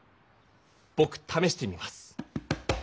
ぼくためしてみます！